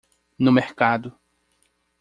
No mercado